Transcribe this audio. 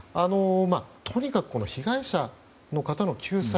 とにかく、被害者の方の救済。